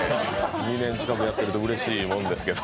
２年近くやってるとうれしいものだけど。